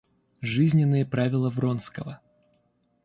Жизненные правила Вронского.